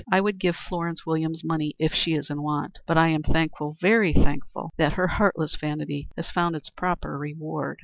I would give Florence Williams money if she is in want, but I am thankful, very thankful, that her heartless vanity has found its proper reward."